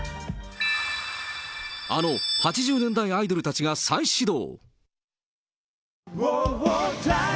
あの８０年代アイドルたちが再始動。